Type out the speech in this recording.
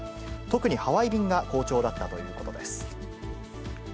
特にハワイ便が好調だったということです。